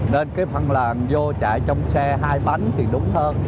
nên cái phần là vô chạy trong xe hai bánh thì đúng hơn